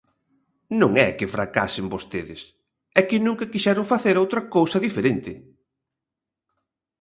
Non é que fracasen vostedes, é que nunca quixeron facer outra cousa diferente.